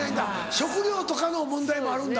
食料とかの問題もあるんだ。